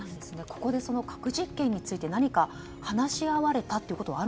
ここで核実験について何か話し合われたということは